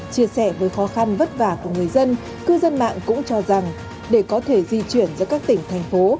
chia sẻ với khó khăn vất vả của người dân cư dân mạng cũng cho rằng để có thể di chuyển giữa các tỉnh thành phố